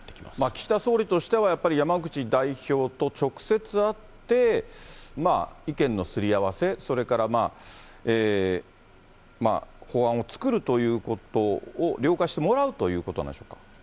岸田総理としては、やっぱり山口代表と直接会って、意見のすり合わせ、それから法案を作るということを了解してもらうということになり